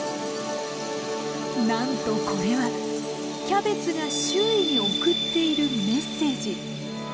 なんとこれはキャベツが周囲に送っているメッセージ。